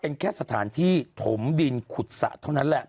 เป็นแค่สถานที่ถมดินขุดสระเท่านั้นแหละ